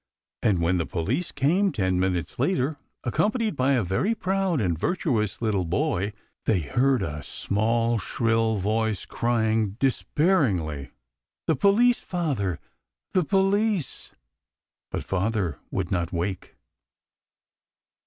" And when the police came ten minutes later, accompanied by a very proud and virtuous little boy, they heard a small shrill voice crying, despairingly " The police, father ! The police !" But father would not wake.